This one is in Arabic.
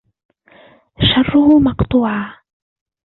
شَرُّهُ مَقْطُوعًا